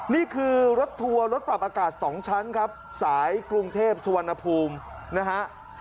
นี่คือรถทัวร์รถปรับอากาศ๒ชั้นครับสายกรุงเทพสุวรรณภูมินะฮะ